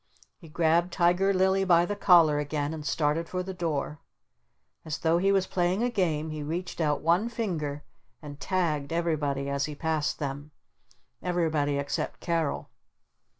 He grabbed Tiger Lily by the collar again and started for the door. As though he was playing a Game he reached out one finger and tagged everybody as he passed them. Everybody except Carol.